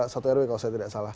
satu rw kalau saya tidak salah